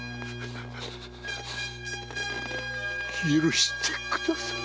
許してくだされ。